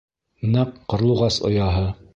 Нәҡ ҡарлуғас ояһы.